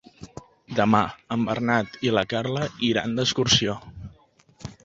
Demà en Bernat i na Carla iran d'excursió.